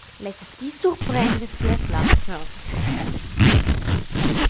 Lesses ti surprender sia plazza?